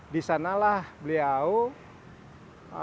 di sanalah beliau menuju ke arah barat